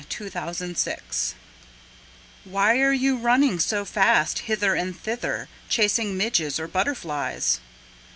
Plymouth Rock Joe Why are you running so fast hither and thither Chasing midges or butterflies?